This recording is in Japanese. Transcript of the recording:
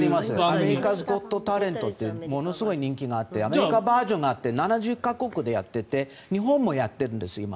「アメリカズ・ゴット・タレント」ってものすごい人気があってアメリカバージョンがあって７０か国でやっていて日本も今やってるんです。